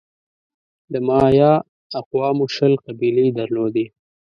د مایا اقوامو شل قبیلې درلودې.